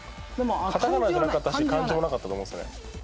カタカナじゃなかったし漢字もなかったと思うんですね